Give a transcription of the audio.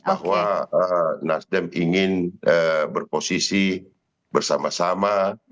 bahwa nasdem ingin berposisi bersama sama